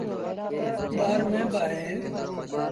ٻآ رميݩ با اوهيݩ۔